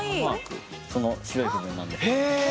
その白い部分なんです。